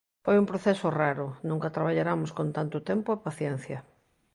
Foi un proceso raro: nunca traballaramos con tanto tempo e paciencia.